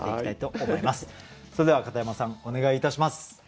それでは片山さんお願いいたします。